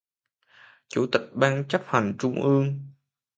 Chủ tịch Ban Chấp hành Trung ương